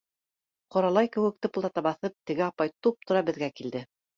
Ҡоралай кеүек тыһылдата баҫып, теге апай туп-тура беҙгә килде.